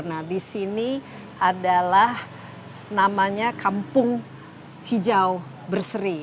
nah di sini adalah namanya kampung hijau berseri